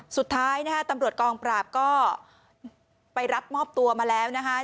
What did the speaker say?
สุดท้ายนะฮะตำรวจกองปราบก็ไปรับมอบตัวมาแล้วนะคะ